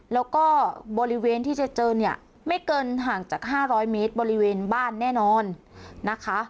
แล้วก็บริเวณที่จะเจอเนี่ยไม่เกินห่างจาก๕๐๐เมตรบริเวณบ้านแน่นอนนะคะ